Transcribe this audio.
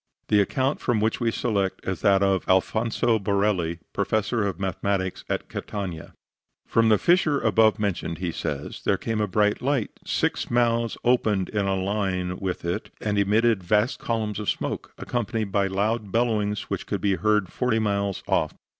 The account from which we select is that of Alfonso Borelli, Professor of Mathematics in Catania. From the fissure above mentioned, he says, there came a bright light. Six mouths opened in a line with it and emitted vast columns of smoke, accompanied by loud bellowings which could be heard forty miles off.